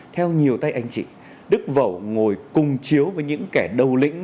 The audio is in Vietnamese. theo nhiều tay anh chị đức vẩu ngồi cùng chiếu với những kẻ đầu lĩnh